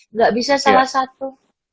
nggak bisa salah satu